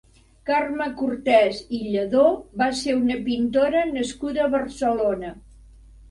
Carme Cortès i Lladó va ser una pintora nascuda a Barcelona.